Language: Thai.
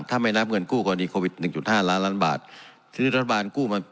ถ้าไม่นับเงินกู้กรณีโควิดหนึ่งจุดห้าล้านล้านบาททีนี้รัฐบาลกู้มา